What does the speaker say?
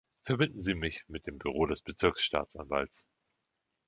Verbinden Sie mich mit dem Büro des Bezirksstaatsanwalts.